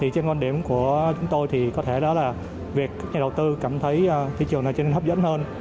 trên quan điểm của chúng tôi thì có thể đó là việc các nhà đầu tư cảm thấy thị trường này cho nên hấp dẫn hơn